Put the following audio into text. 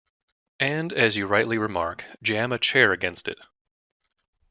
And, as you rightly remark, jam a chair against it.